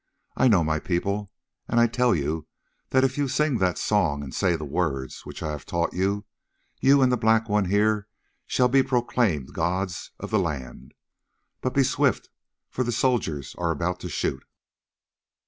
I know my people, and I tell you that if you sing that song, and say the words which I have taught you, you and the black one here shall be proclaimed gods of the land. But be swift, for the soldiers are about to shoot."